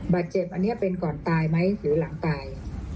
บาดเจ็บอันนี้เป็นก่อนตายไหมหรือหลังตาย